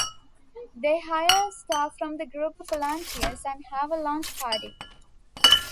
They hire a staff from the group of volunteers, and have a launch party.